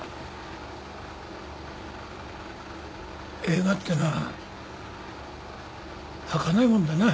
・映画ってのははかないもんだな。